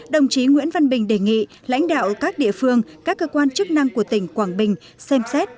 đồng chí nguyễn văn bình đề nghị lãnh đạo các địa phương các cơ quan chức năng của tỉnh quảng bình xem xét